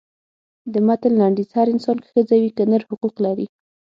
د متن لنډیز هر انسان که ښځه وي که نر حقوق لري.